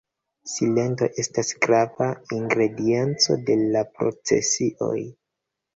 Silento estas grava ingredienco de la procesioj.